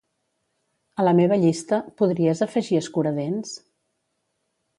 A la meva llista, podries afegir escuradents?